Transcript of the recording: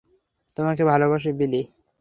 তোমাকে ভালোবাসি, বিলি!